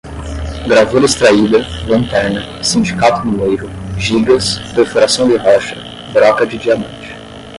gravura extraída, lanterna, sindicato mineiro, jigas, perfuração de rocha, broca de diamante